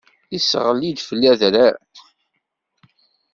Isseɣli-d fell-i adrar.